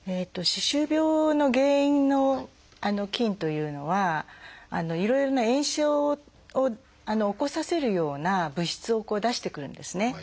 歯周病の原因の菌というのはいろいろな炎症を起こさせるような物質を出してくるんですね。